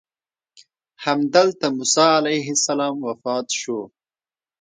همدلته موسی علیه السلام وفات شو.